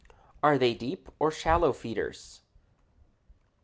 Are they deep or shallow feeders?